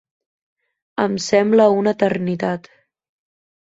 Em sembla una eternitat.